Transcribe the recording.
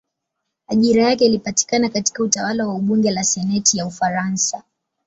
Ajira yake ilipatikana katika utawala wa bunge la senati ya Ufaransa.